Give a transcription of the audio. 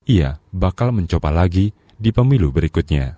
ia bakal mencoba lagi di pemilu berikutnya